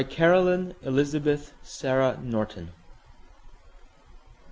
Caroline Elizabeth Sarah Norton.